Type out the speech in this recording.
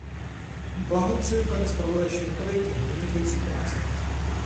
Blahopřeji panu zpravodaji Schmidtovi k jeho vynikající práci.